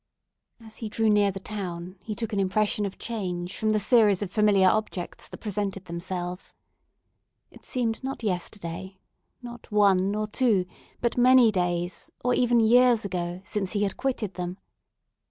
As he drew near the town, he took an impression of change from the series of familiar objects that presented themselves. It seemed not yesterday, not one, not two, but many days, or even years ago, since he had quitted them.